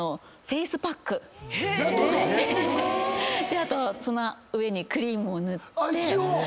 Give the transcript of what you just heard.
あとその上にクリームを塗って。